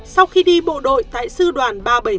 sau khi đi bộ đội tại sư đoàn ba trăm bảy mươi một